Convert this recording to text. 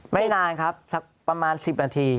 ไม่นานครับประมาณสิบนาที